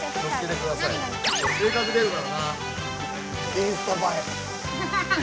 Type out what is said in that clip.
インスタ映え。